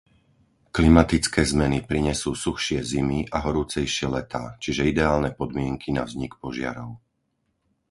Klimatické zmeny prinesú suchšie zimy a horúcejšie letá, čiže ideálne podmienky na vznik požiarov.